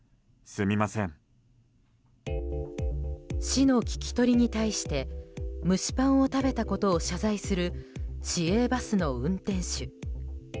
市の聞き取りに対して蒸しパンを食べたことを謝罪する市営バスの運転手。